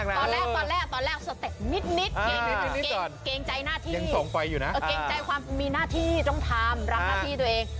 เกรงใจความมีหน้าที่ต้องทำรับหน้าที่ตัวเอง